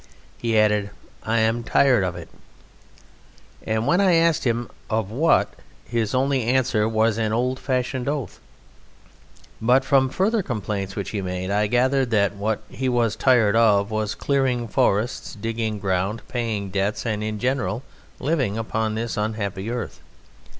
He added, "I am tired of it." And when I asked him, "Of what?" his only answer was an old fashioned oath. But from further complaints which he made I gathered that what he was tired of was clearing forests, digging ground, paying debts, and in general living upon this unhappy earth.